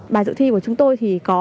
bài dự thi của chúng tôi thì có